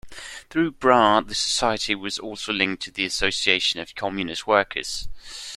Through Brar, the society was also linked to the Association of Communist Workers.